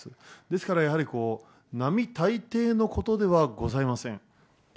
ですからやはり、並大抵のことではございません。